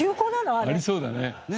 ありそうだね。